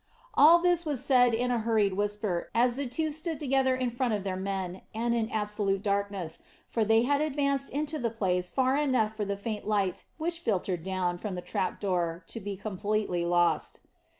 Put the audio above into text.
All this was said in a hurried whisper, as the two stood together in front of their men, and in absolute darkness, for they had advanced into the place far enough for the faint light which filtered down from the trap door to be completely lost.